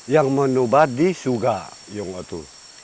yang menubah di suga iyung otu